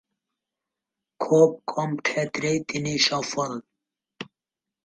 খুব কম ক্ষেত্রেই তিনি সফল।